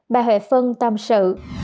bà huệ phân tâm sự